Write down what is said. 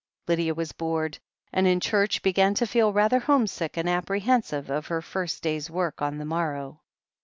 Lydia was bored, and in church began to feel rather homesick and apprehensive of her first day's work on the morrow.